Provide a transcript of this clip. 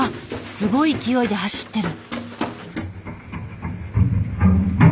すごい勢いで走ってる。